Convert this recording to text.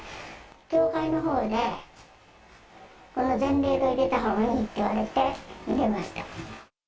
教会のほうで、この善霊堂入れたほうがいいって言われて入れました。